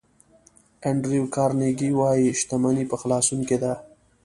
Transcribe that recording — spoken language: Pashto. انډریو کارنګي وایي شتمني په خلاصون کې ده.